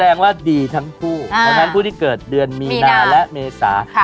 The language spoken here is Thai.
เพราะฉะนั้นผู้ที่เกิดเดือนมีนาและเมษา